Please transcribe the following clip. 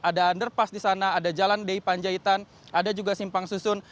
ada underpass di sana ada jalan d panjaitan ada juga simpang susun